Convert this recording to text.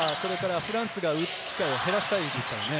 フランツが打つ機会を減らしたいですよね。